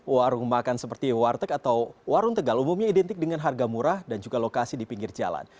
warung makan seperti warteg atau warung tegal umumnya identik dengan harga murah dan juga lokasi di pinggir jalan